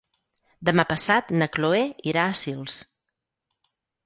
Demà passat na Chloé irà a Sils.